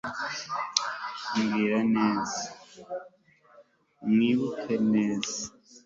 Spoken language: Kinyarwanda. mwibuke neza